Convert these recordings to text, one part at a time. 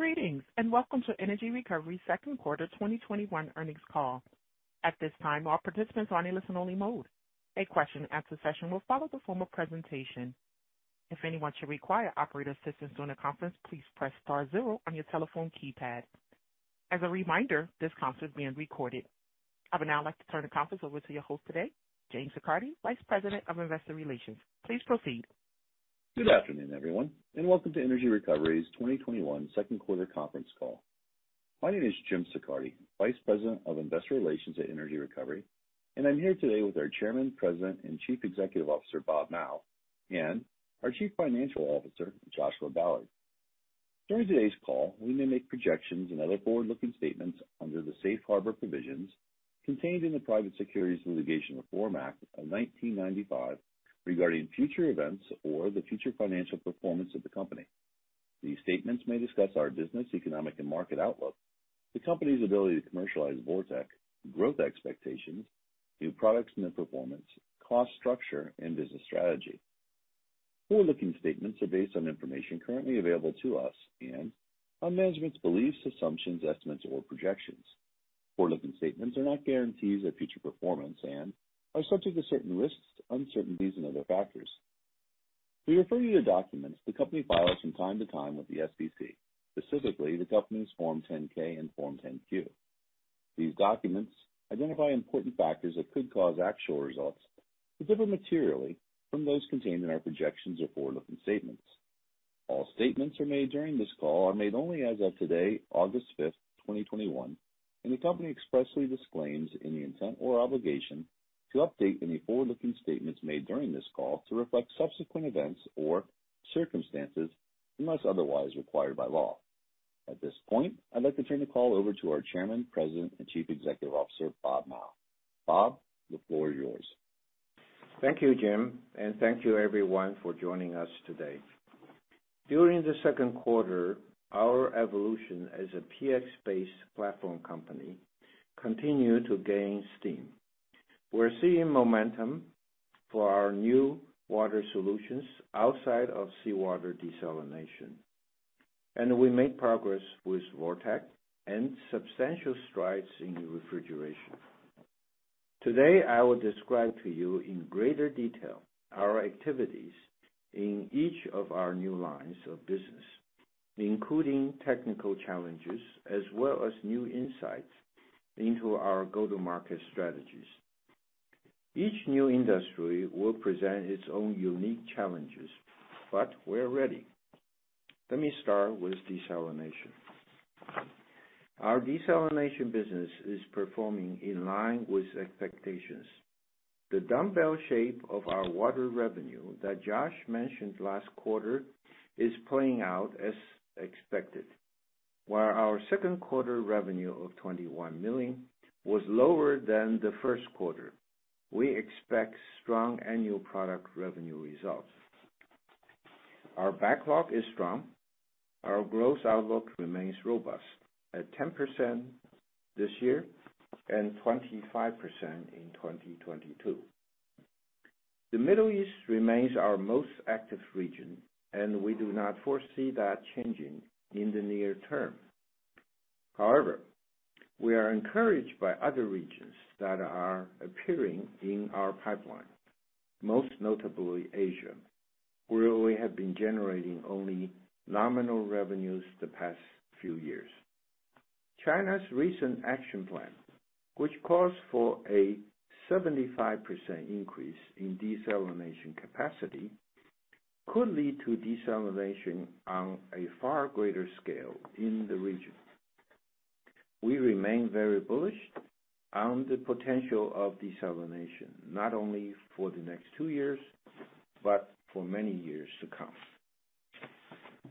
Greetings, and welcome to Energy Recovery's second quarter 2021 earnings call. At this time, all participants are in listen-only mode. A question-and-answer session will follow the formal presentation. If anyone should require operator assistance during the conference, please press star zero on your telephone keypad. As a reminder, this conference is being recorded. I would now like to turn the conference over to your host today, James Siccardi, Vice President of Investor Relations. Please proceed. Good afternoon, everyone, and welcome to Energy Recovery's 2021 second quarter conference call. My name is James Siccardi, Vice President of Investor Relations at Energy Recovery, and I'm here today with our Chairman, President, and Chief Executive Officer, Bob Mao, and our Chief Financial Officer, Josh Ballard. During today's call, we may make projections and other forward-looking statements under the safe harbor provisions contained in the Private Securities Litigation Reform Act of 1995 regarding future events or the future financial performance of the company. These statements may discuss our business, economic, and market outlook, the company's ability to commercialize VorTeq, growth expectations, new products and their performance, cost structure, and business strategy. Forward-looking statements are based on information currently available to us and are management's beliefs, assumptions, estimates, or projections. Forward-looking statements are not guarantees of future performance and are subject to certain risks, uncertainties, and other factors. We refer you to documents the company files from time to time with the SEC, specifically the company's Form 10-K and Form 10-Q. These documents identify important factors that could cause actual results to differ materially from those contained in our projections or forward-looking statements. All statements made during this call are made only as of today, August 5th, 2021, and the company expressly disclaims any intent or obligation to update any forward-looking statements made during this call to reflect subsequent events or circumstances unless otherwise required by law. At this point, I'd like to turn the call over to our Chairman, President, and Chief Executive Officer, Bob Mao. Bob, the floor is yours. Thank you, Jim, and thank you, everyone, for joining us today. During the second quarter, our evolution as a PX-based platform company continued to gain steam. We're seeing momentum for our new water solutions outside of seawater desalination. We made progress with VorTeq and substantial strides in refrigeration. Today, I will describe to you in greater detail our activities in each of our new lines of business, including technical challenges, as well as new insights into our go-to-market strategies. Each new industry will present its own unique challenges. We're ready. Let me start with desalination. Our desalination business is performing in line with expectations. The dumbbell shape of our water revenue that Josh mentioned last quarter is playing out as expected. Our second quarter revenue of $21 million was lower than the first quarter. We expect strong annual product revenue results. Our backlog is strong. Our growth outlook remains robust at 10% this year and 25% in 2022. The Middle East remains our most active region. We do not foresee that changing in the near term. However, we are encouraged by other regions that are appearing in our pipeline, most notably Asia, where we have been generating only nominal revenues the past few years. China's recent action plan, which calls for a 75% increase in desalination capacity, could lead to desalination on a far greater scale in the region. We remain very bullish on the potential of desalination, not only for the next two years, but for many years to come.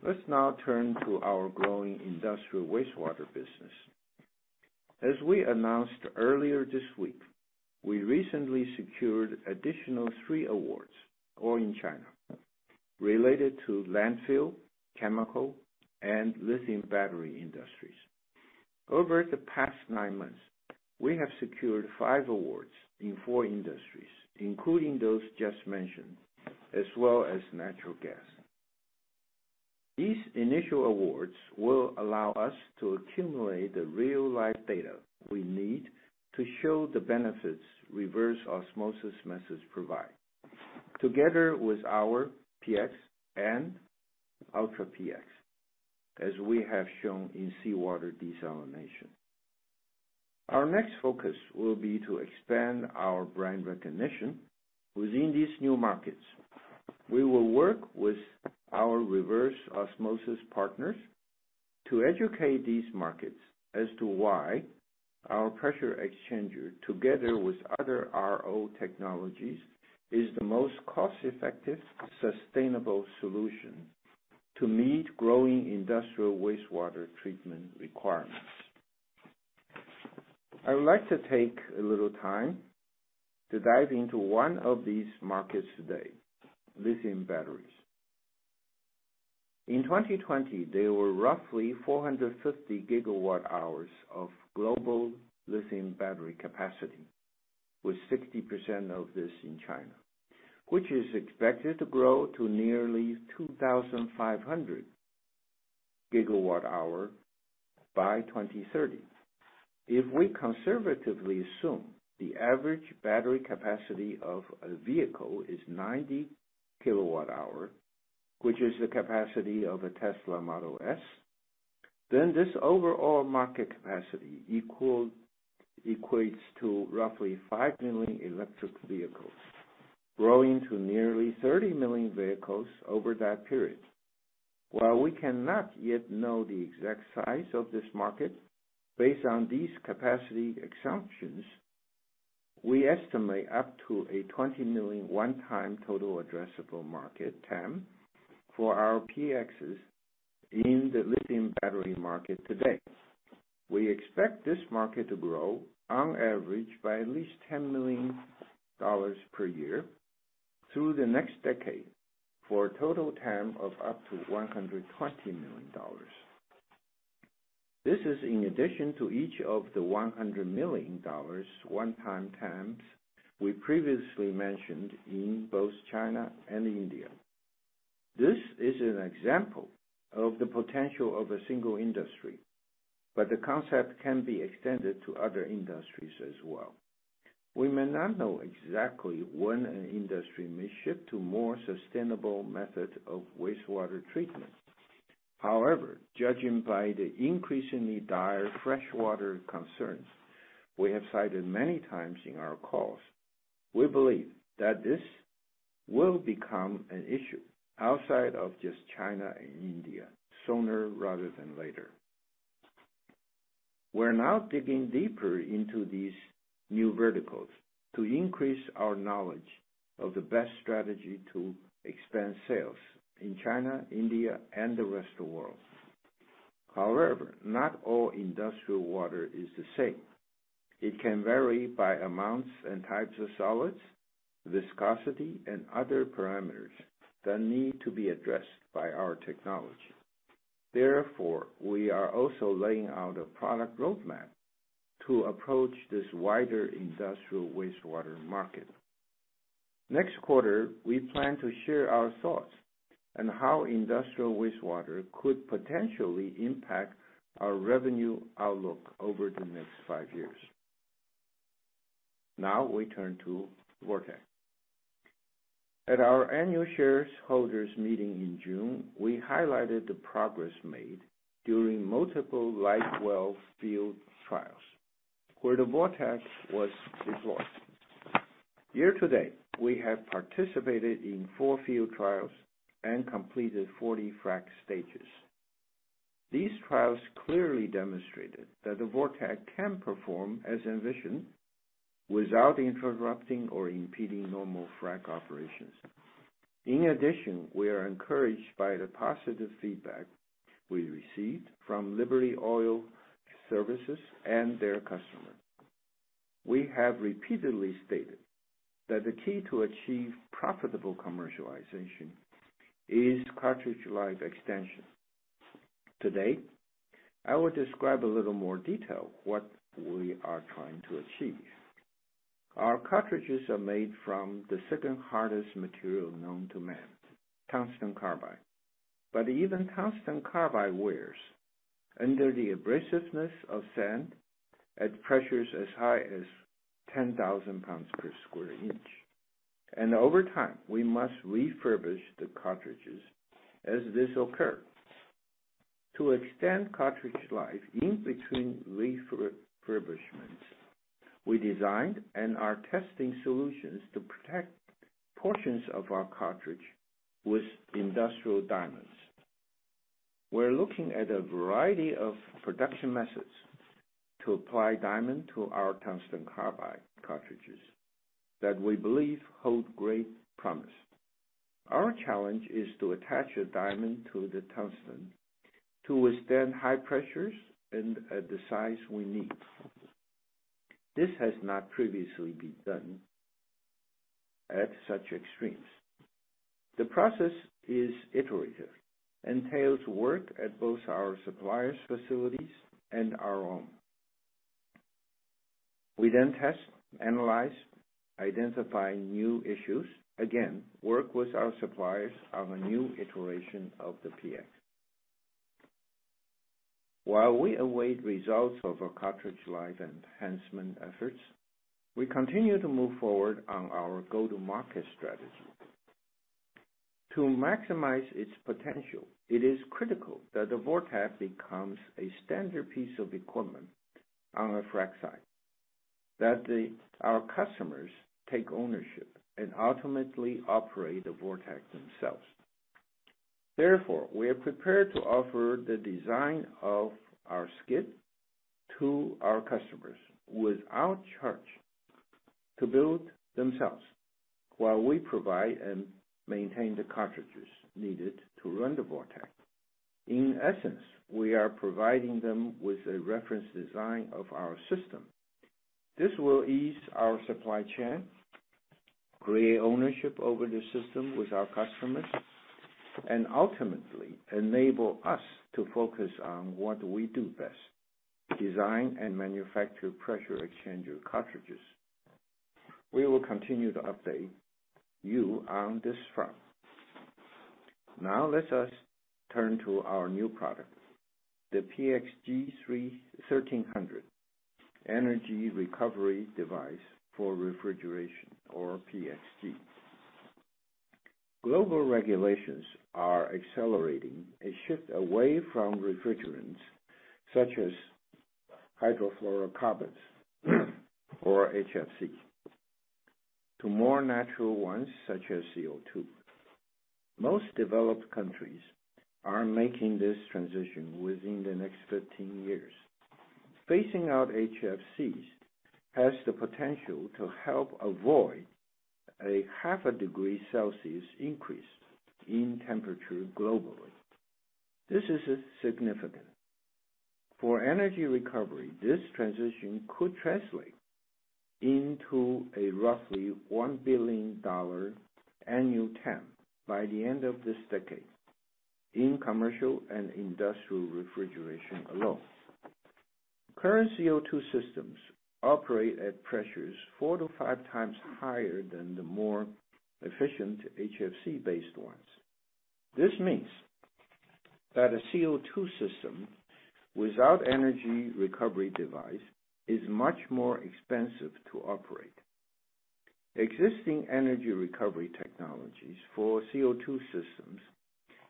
Let's now turn to our growing industrial wastewater business. As we announced earlier this week, we recently secured an additional three awards, all in China, related to landfill, chemical, and lithium battery industries. Over the past nine months, we have secured five awards in four industries, including those just mentioned, as well as natural gas. These initial awards will allow us to accumulate the real-life data we need to show the benefits reverse osmosis methods provide, together with our PX and Ultra PX, as we have shown in seawater desalination. Our next focus will be to expand our brand recognition within these new markets. We will work with our reverse osmosis partners to educate these markets as to why our pressure exchanger, together with other RO technologies, is the most cost-effective, sustainable solution to meet growing industrial wastewater treatment requirements. I would like to take a little time to dive into one of these markets today: lithium batteries. In 2020, there were roughly 450 GWh of global lithium battery capacity. With 60% of this in China, which is expected to grow to nearly 2,500 GWh by 2030. If we conservatively assume the average battery capacity of a vehicle is 90 KWh, which is the capacity of a Tesla Model S, then this overall market capacity equates to roughly 5 million electric vehicles, growing to nearly 30 million vehicles over that period. While we cannot yet know the exact size of this market, based on these capacity assumptions, we estimate up to a 20 million one-time total addressable market, TAM, for our PXes in the lithium battery market today. We expect this market to grow on average by at least $10 million per year through the next decade for a total TAM of up to $120 million. This is in addition to each of the $100 million one-time TAMs we previously mentioned in both China and India. This is an example of the potential of a single industry, but the concept can be extended to other industries as well. We may not know exactly when an industry may shift to more sustainable method of wastewater treatment. However, judging by the increasingly dire freshwater concerns we have cited many times in our calls, we believe that this will become an issue outside of just China and India sooner rather than later. We're now digging deeper into these new verticals to increase our knowledge of the best strategy to expand sales in China, India, and the rest of world. However, not all industrial water is the same. It can vary by amounts and types of solids, viscosity, and other parameters that need to be addressed by our technology. Therefore, we are also laying out a product roadmap to approach this wider industrial wastewater market. Next quarter, we plan to share our thoughts on how industrial wastewater could potentially impact our revenue outlook over the next five years. We turn to VorTeq. At our annual shareholders meeting in June, we highlighted the progress made during multiple life well field trials where the VorTeq was deployed. Year to date, we have participated in four field trials and completed 40 frack stages. These trials clearly demonstrated that the VorTeq can perform as envisioned without interrupting or impeding normal frack operations. We are encouraged by the positive feedback we received from Liberty Oilfield Services and their customer. We have repeatedly stated that the key to achieve profitable commercialization is cartridge life extension. I will describe a little more detail what we are trying to achieve. Our cartridges are made from the second hardest material known to man, tungsten carbide. Even tungsten carbide wears under the abrasiveness of sand at pressures as high as 10,000 pounds per square inch. Over time, we must refurbish the cartridges as this occurs. To extend cartridge life in between refurbishments, we designed and are testing solutions to protect portions of our cartridge with industrial diamonds. We're looking at a variety of production methods to apply diamond to our tungsten carbide cartridges that we believe hold great promise. Our challenge is to attach a diamond to the tungsten to withstand high pressures at the size we need. This has not previously been done at such extremes. The process is iterative, entails work at both our suppliers' facilities and our own. We test, analyze, identify new issues, again, work with our suppliers on a new iteration of the PX. While we await results of our cartridge life enhancement efforts, we continue to move forward on our go-to-market strategy. To maximize its potential, it is critical that the VorTeq becomes a standard piece of equipment on a frack site, that our customers take ownership and ultimately operate the VorTeq themselves. We are prepared to offer the design of our skid to our customers without charge to build themselves while we provide and maintain the cartridges needed to run the VorTeq. In essence, we are providing them with a reference design of our system. This will ease our supply chain [Create] ownership over the system with our customers, and ultimately enable us to focus on what we do best, design and manufacture pressure exchanger cartridges. We will continue to update you on this front. Let us turn to our new product, the PX G1300 Energy Recovery Device for Refrigeration or PXG. Global regulations are accelerating a shift away from refrigerants such as hydrofluorocarbons, or HFC, to more natural ones such as CO2. Most developed countries are making this transition within the next 13 years. Phasing out HFCs has the potential to help avoid a half a degree Celsius increase in temperature globally. This is significant. For energy recovery, this transition could translate into a roughly $1 billion annual TAM by the end of this decade in commercial and industrial refrigeration alone. Current CO2 systems operate at pressures 4-5x higher than the more efficient HFC-based ones. This means that a CO2 system without energy recovery device is much more expensive to operate. Existing energy recovery technologies for CO2 systems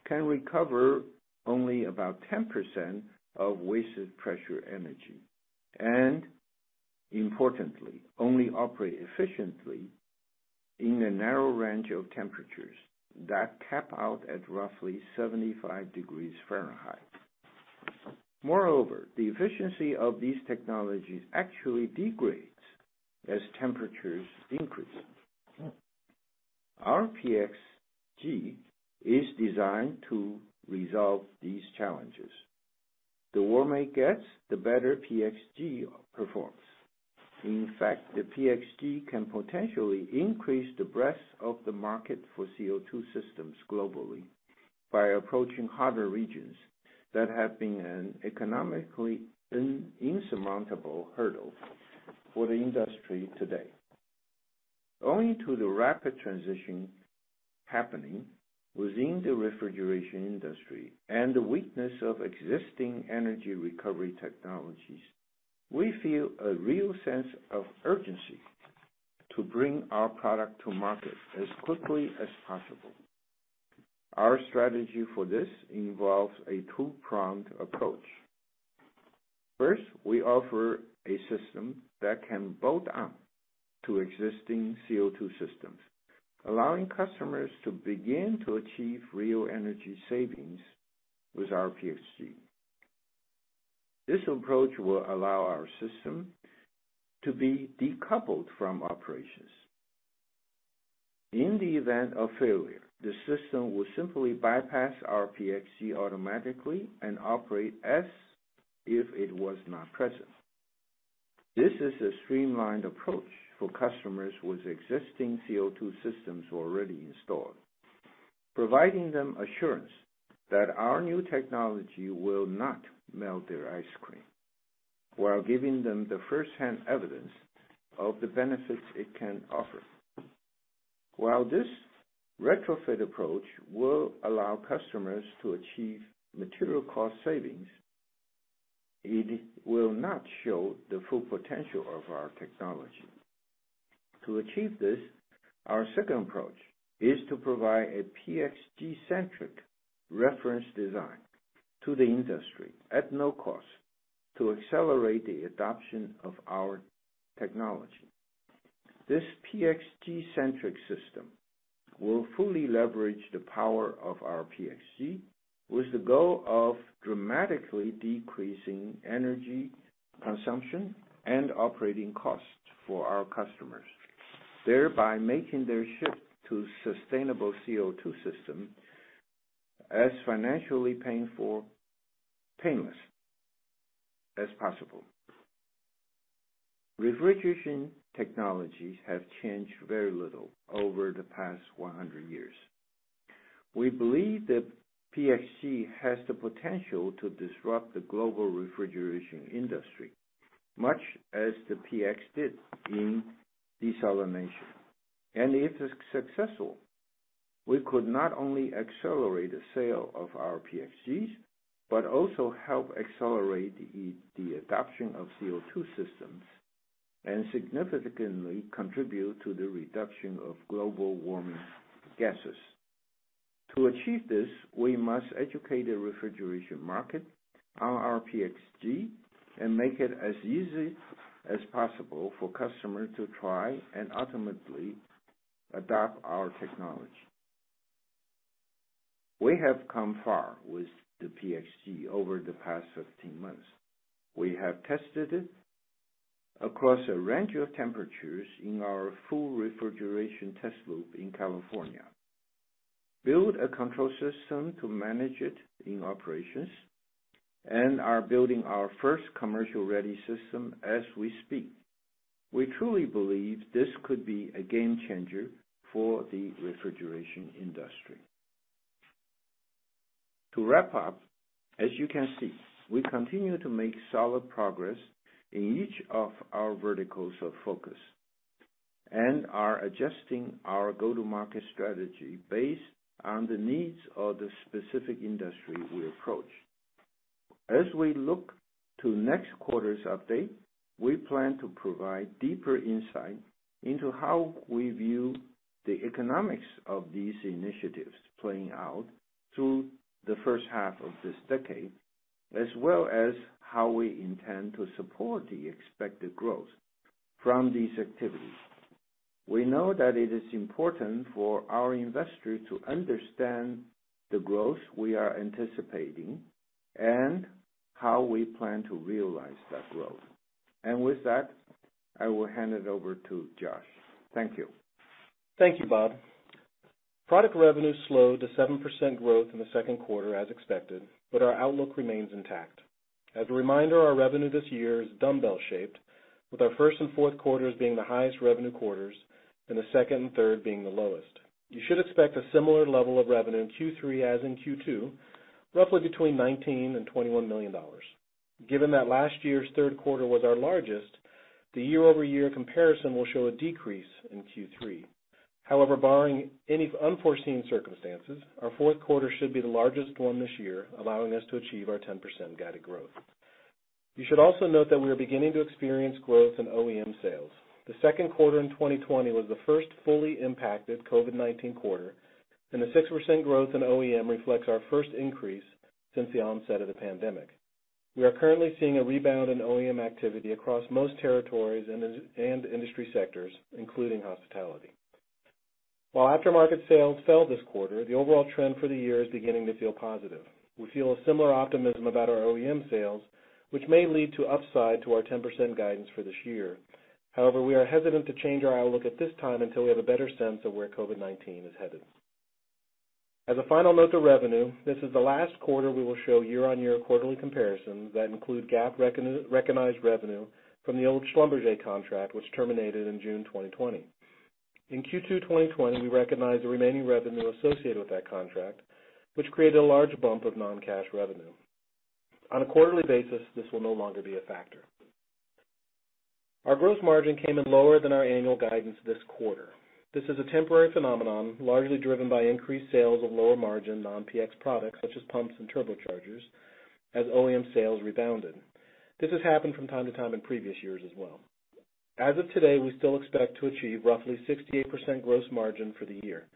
can recover only about 10% of wasted pressure energy, and importantly, only operate efficiently in a narrow range of temperatures that cap out at roughly 75 degrees Fahrenheit. Moreover, the efficiency of these technologies actually degrades as temperatures increase. Our PXG is designed to resolve these challenges. The warmer it gets, the better PXG performs. In fact, the PXG can potentially increase the breadth of the market for CO2 systems globally by approaching hotter regions that have been an economically insurmountable hurdle for the industry today. Owing to the rapid transition happening within the refrigeration industry and the weakness of existing energy recovery technologies, we feel a real sense of urgency to bring our product to market as quickly as possible. Our strategy for this involves a two-pronged approach. First, we offer a system that can bolt on to existing CO2 systems, allowing customers to begin to achieve real energy savings with our PXG. This approach will allow our system to be decoupled from operations. In the event of failure, the system will simply bypass our PXG automatically and operate as if it was not present. This is a streamlined approach for customers with existing CO2 systems already installed, providing them assurance that our new technology will not melt their ice cream, while giving them the first-hand evidence of the benefits it can offer. While this retrofit approach will allow customers to achieve material cost savings, it will not show the full potential of our technology. To achieve this, our second approach is to provide a PXG-centric reference design to the industry at no cost to accelerate the adoption of our technology. This PXG-centric system will fully leverage the power of our PXG with the goal of dramatically decreasing energy consumption and operating costs for our customers, thereby making their shift to sustainable CO2 system as financially painless as possible. Refrigeration technologies have changed very little over the past 100 years. We believe that PXG has the potential to disrupt the global refrigeration industry, much as the PX did in desalination. If it is successful, we could not only accelerate the sale of our PXGs, but also help accelerate the adoption of CO2 systems and significantly contribute to the reduction of global warming gases. To achieve this, we must educate the refrigeration market on our PXG and make it as easy as possible for customers to try and ultimately adopt our technology. We have come far with the PXG over the past 15 months. We have tested it across a range of temperatures in our full refrigeration test loop in California, built a control system to manage it in operations, and are building our first commercial-ready system as we speak. We truly believe this could be a game changer for the refrigeration industry. To wrap up, as you can see, we continue to make solid progress in each of our verticals of focus and are adjusting our go-to-market strategy based on the needs of the specific industry we approach. As we look to next quarter's update, we plan to provide deeper insight into how we view the economics of these initiatives playing out through the first half of this decade, as well as how we intend to support the expected growth from these activities. We know that it is important for our investors to understand the growth we are anticipating and how we plan to realize that growth. With that, I will hand it over to Josh. Thank you. Thank you, Bob. Product revenue slowed to 7% growth in the second quarter as expected. Our outlook remains intact. As a reminder, our revenue this year is dumbbell shaped, with our first and fourth quarters being the highest revenue quarters, and the second and third being the lowest. You should expect a similar level of revenue in Q3 as in Q2, roughly between $19 million and $21 million. Given that last year's third quarter was our largest, the year-over-year comparison will show a decrease in Q3. Barring any unforeseen circumstances, our fourth quarter should be the largest one this year, allowing us to achieve our 10% guided growth. You should also note that we are beginning to experience growth in OEM sales. The second quarter in 2020 was the first fully impacted COVID-19 quarter, and the 6% growth in OEM reflects our first increase since the onset of the pandemic. We are currently seeing a rebound in OEM activity across most territories and industry sectors, including hospitality. While aftermarket sales fell this quarter, the overall trend for the year is beginning to feel positive. We feel a similar optimism about our OEM sales, which may lead to upside to our 10% guidance for this year. However, we are hesitant to change our outlook at this time until we have a better sense of where COVID-19 is headed. As a final note to revenue, this is the last quarter we will show year-on-year quarterly comparisons that include GAAP-recognized revenue from the old Schlumberger contract, which terminated in June 2020. In Q2 2020, we recognized the remaining revenue associated with that contract, which created a large bump of non-cash revenue. On a quarterly basis, this will no longer be a factor. Our gross margin came in lower than our annual guidance this quarter. This is a temporary phenomenon, largely driven by increased sales of lower margin non-PX products such as pumps and turbochargers, as OEM sales rebounded. This has happened from time to time in previous years as well. As of today, we still expect to achieve roughly 68% gross margin for the year.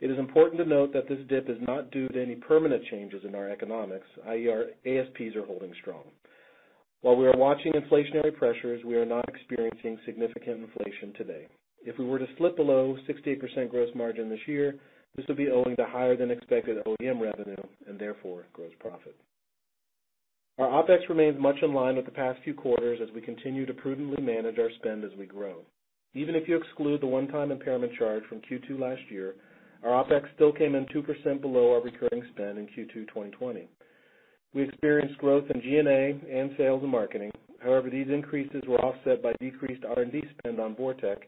It is important to note that this dip is not due to any permanent changes in our economics, i.e., our ASPs are holding strong. While we are watching inflationary pressures, we are not experiencing significant inflation today. If we were to slip below 68% gross margin this year, this would be owing to higher than expected OEM revenue and therefore gross profit. Our OpEx remains much in line with the past few quarters as we continue to prudently manage our spend as we grow. Even if you exclude the one-time impairment charge from Q2 last year, our OpEx still came in 2% below our recurring spend in Q2 2020. We experienced growth in G&A and sales and marketing. However, these increases were offset by decreased R&D spend on VorTeq,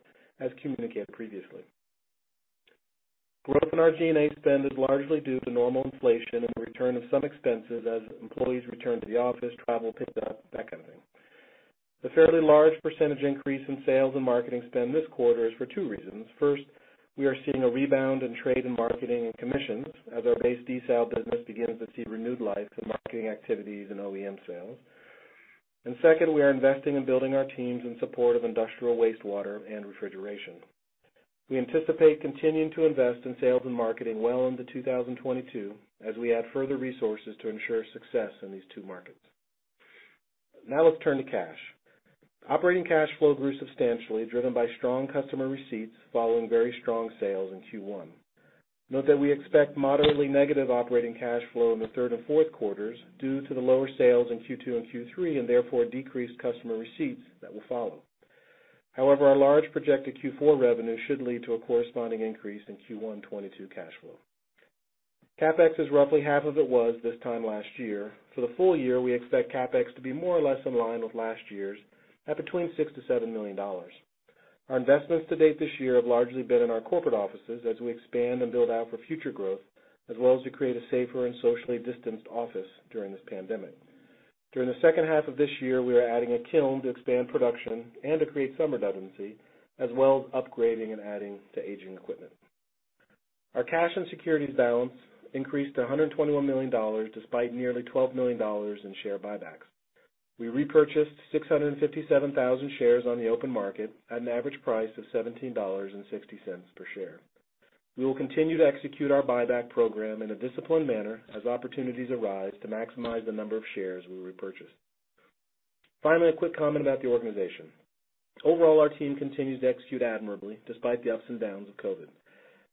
as communicated previously. Growth in our G&A spend is largely due to normal inflation and the return of some expenses as employees return to the office, travel picks up, that kind of thing. The fairly large percentage increase in sales and marketing spend this quarter is for 2 reasons. First, we are seeing a rebound in trade in marketing and commissions as our base desal business begins to see renewed life in marketing activities and OEM sales. Second, we are investing in building our teams in support of industrial wastewater and refrigeration. We anticipate continuing to invest in sales and marketing well into 2022 as we add further resources to ensure success in these two markets. Let's turn to cash. Operating cash flow grew substantially, driven by strong customer receipts following very strong sales in Q1. Note that we expect moderately negative operating cash flow in the third and fourth quarters due to the lower sales in Q2 and Q3, and therefore decreased customer receipts that will follow. Our large projected Q4 revenue should lead to a corresponding increase in Q1 2022 cash flow. CapEx is roughly half of it was this time last year. For the full year, we expect CapEx to be more or less in line with last year's at between $6 million-$7 million. Our investments to date this year have largely been in our corporate offices as we expand and build out for future growth, as well as we create a safer and socially distanced office during this pandemic. During the second half of this year, we are adding a kiln to expand production and to create some redundancy, as well as upgrading and adding to aging equipment. Our cash and securities balance increased to $121 million, despite nearly $12 million in share buybacks. We repurchased 657,000 shares on the open market at an average price of $17.60 per share. We will continue to execute our buyback program in a disciplined manner as opportunities arise to maximize the number of shares we repurchase. Finally, a quick comment about the organization. Overall, our team continues to execute admirably despite the ups and downs of COVID.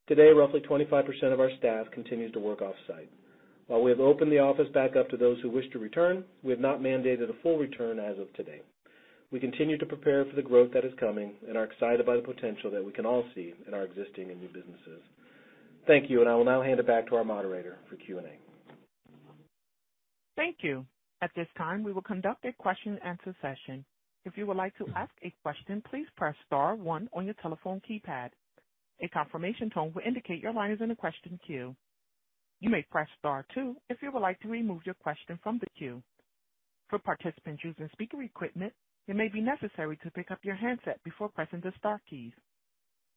Today, roughly 25% of our staff continues to work off-site. While we have opened the office back up to those who wish to return, we have not mandated a full return as of today. We continue to prepare for the growth that is coming and are excited about the potential that we can all see in our existing and new businesses. Thank you, and I will now hand it back to our moderator for Q&A. Thank you. At this time, we will conduct a question-and-answer session. If you would like to ask a question, please press star one on your telephone keypad. A confirmation tone will indicate your line is in the question queue. You may press star two if you would like to remove your question from the queue. For participants using speaker equipment, it may be necessary to pick up your headset before pressing the star keys.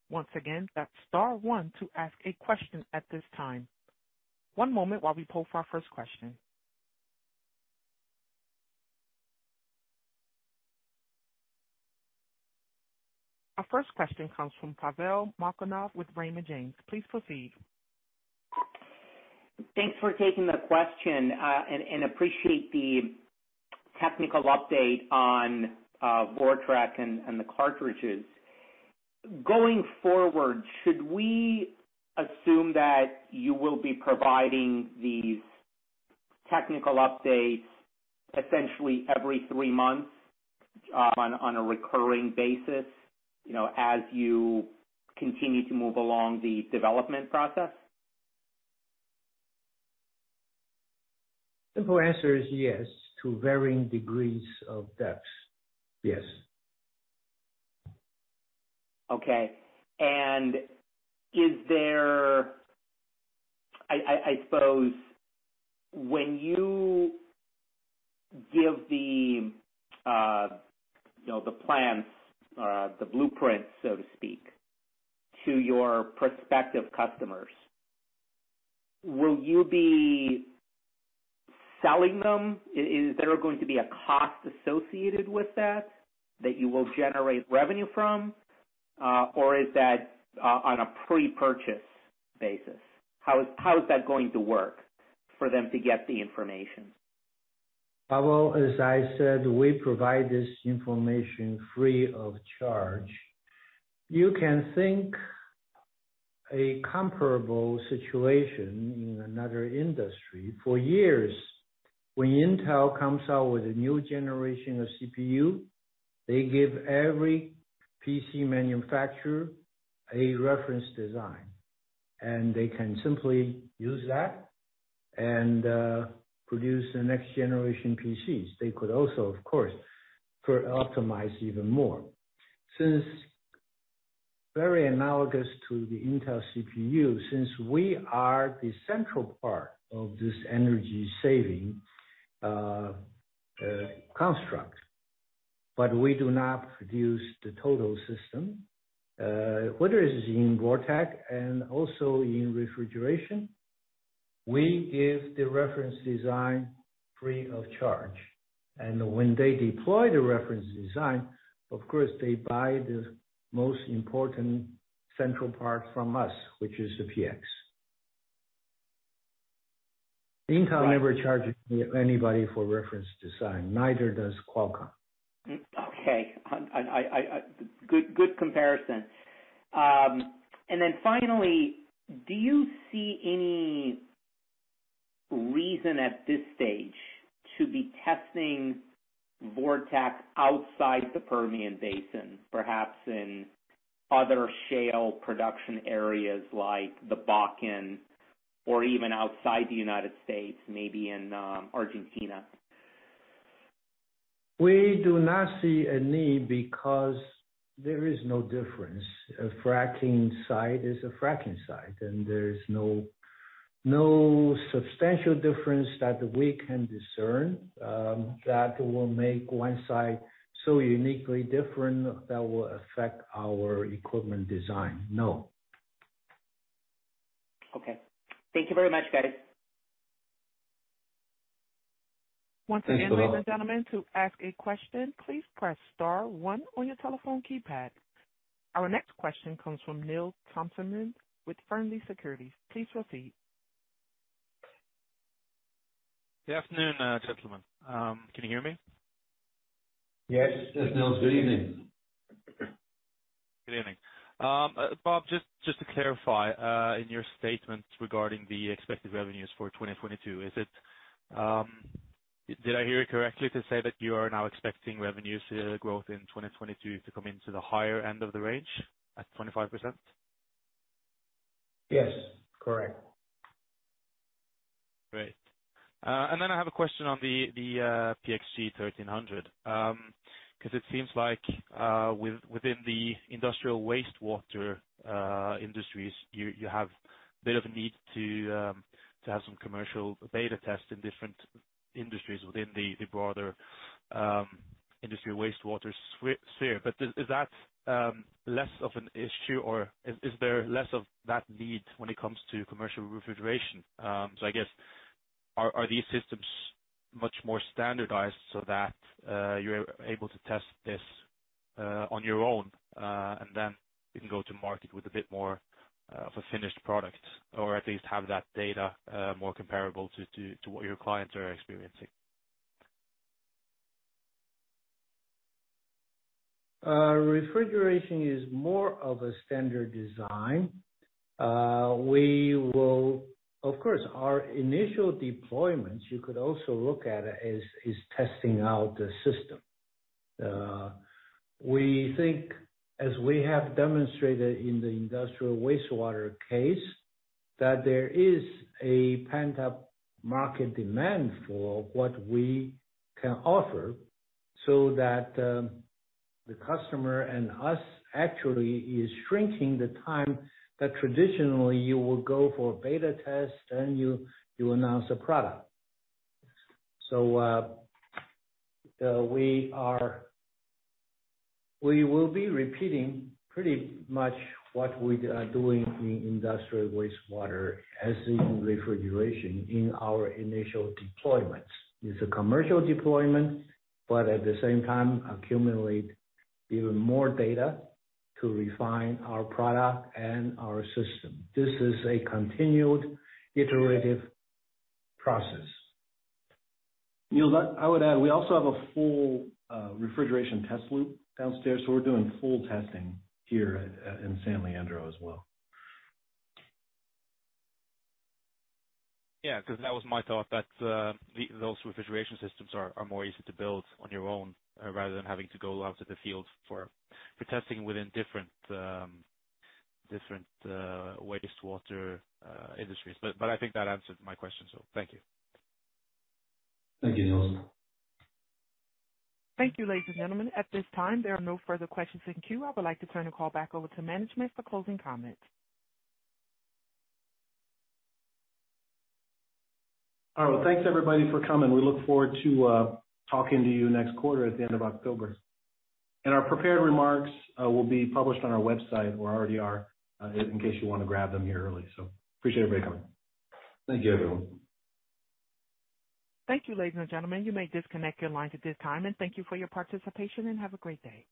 Once again, that is star one to ask a question at this time. One moment while we poll for our first question. Our first question comes from Pavel Molchanov with Raymond James. Please proceed. Thanks for taking the question, and appreciate the technical update on VorTeq and the cartridges. Going forward, should we assume that you will be providing these technical updates essentially every three months on a recurring basis, as you continue to move along the development process? Simple answer is yes, to varying degrees of depth. Yes. Okay. I suppose when you give the plans, the blueprint, so to speak, to your prospective customers, will you be selling them? Is there going to be a cost associated with that you will generate revenue from, or is that on a pre-purchase basis? How is that going to work for them to get the information? Pavel, as I said, we provide this information free of charge. You can think a comparable situation in another industry. For years, when Intel comes out with a new generation of CPU, they give every PC manufacturer a reference design, and they can simply use that and produce the next generation PCs. They could also, of course, optimize even more. Very analogous to the Intel CPU, since we are the central part of this energy-saving construct, but we do not produce the total system. Whether it is in VorTeq and also in refrigeration, we give the reference design free of charge. When they deploy the reference design, of course, they buy the most important central part from us, which is the PX. Intel never charges anybody for reference design. Neither does Qualcomm. Okay. Good comparison. Finally, do you see any reason at this stage to be testing VorTeq outside the Permian Basin, perhaps in other shale production areas like the Bakken or even outside the United States, maybe in Argentina? We do not see a need because there is no difference. A fracking site is a fracking site, and there is no substantial difference that we can discern that will make one site so uniquely different that will affect our equipment design. No. Okay. Thank you very much, guys. Once again- Thanks, Pavel. ladies and gentlemen, to ask a question, please press star one on your telephone keypad. Our next question comes from Nils Thommesen with Fearnley Securities. Please proceed. Good afternoon, gentlemen. Can you hear me? Yes, Nils. Good evening. Good evening. Bob, just to clarify, in your statement regarding the expected revenues for 2022, did I hear it correctly to say that you are now expecting revenues growth in 2022 to come into the higher end of the range at 25%? Yes, correct. Great. I have a question on the PX G1300, because it seems like within the industrial wastewater industries, you have a bit of a need to have some commercial beta tests in different industries within the broader industry wastewater sphere. Is that less of an issue, or is there less of that need when it comes to commercial refrigeration? I guess, are these systems much more standardized so that you're able to test this on your own, and then you can go to market with a bit more of a finished product, or at least have that data more comparable to what your clients are experiencing? Refrigeration is more of a standard design. Of course, our initial deployments, you could also look at it as testing out the system. We think, as we have demonstrated in the industrial wastewater case, that there is a pent-up market demand for what we can offer, so that the customer and us actually is shrinking the time that traditionally you will go for a beta test, then you announce a product. We will be repeating pretty much what we are doing in industrial wastewater, as in refrigeration, in our initial deployments. It's a commercial deployment, but at the same time accumulate even more data to refine our product and our system. This is a continued iterative process. Nils, I would add, we also have a full refrigeration test loop downstairs. We're doing full testing here in San Leandro as well. That was my thought, that those refrigeration systems are more easy to build on your own rather than having to go out to the field for testing within different wastewater industries. I think that answered my question. Thank you. Thank you, Nils. Thank you, ladies and gentlemen. At this time, there are no further questions in queue. I would like to turn the call back over to management for closing comments. All right. Well, thanks everybody for coming. We look forward to talking to you next quarter at the end of October. Our prepared remarks will be published on our website, or already are, in case you want to grab them here early. Appreciate everybody coming. Thank you, everyone. Thank you, ladies and gentlemen. You may disconnect your lines at this time, and thank you for your participation, and have a great day.